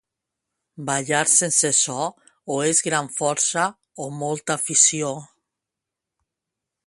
Ballar sense so, o és gran força o molta afició.